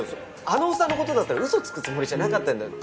あのおっさんの事だったら嘘つくつもりじゃなかったんだよ。